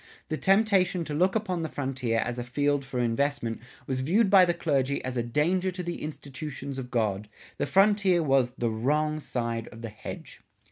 The temptation to look upon the frontier as a field for investment was viewed by the clergy as a danger to the "institutions of God." The frontier was "the Wrong side of the Hedge."